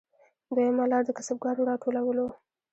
دویمه لار د کسبګرو راټولول وو